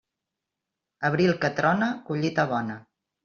Abril que trona, collita bona.